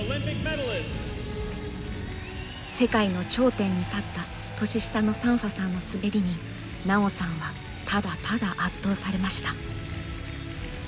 世界の頂点に立った年下のサンファさんの滑りに奈緒さんはただただ圧倒されました。